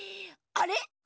あれ？